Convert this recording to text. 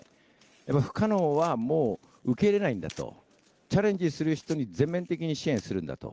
やっぱ不可能は、もう受け入れないんだと、チャレンジする人に全面的に支援するんだと。